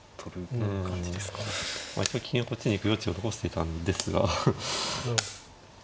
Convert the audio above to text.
金をこっちに行く余地を残してたんですが。